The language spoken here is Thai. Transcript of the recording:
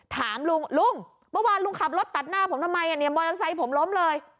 ถามลุงลุงเมื่อวานลุงขับรถตัดหน้าผมทำไมเนี่ยมอเตอร์ไซค์ผมล้มเลย